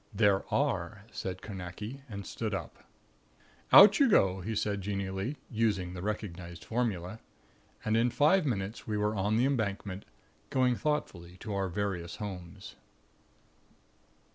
"There are," said Carnacki; and stood up. "Out you go," he said, genially, using the recognized formula. And in five minutes we were on the Embankment, going thoughtfully to our various homes.